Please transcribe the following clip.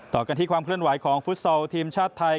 ต่อกันที่ความเคลื่อนไหวของฟุตซอลทีมชาติไทย